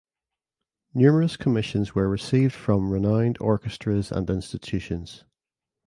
Numerous commissions were received from renowned orchestras and institutions.